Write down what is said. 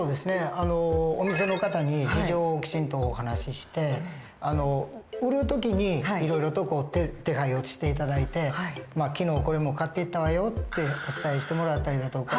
お店の方に事情をきちんとお話しして売る時にいろいろと手配をして頂いて昨日これもう買っていったわよってお伝えしてもらったりだとか。